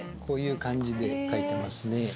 こういう感じで書いてますね。